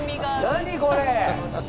何これ！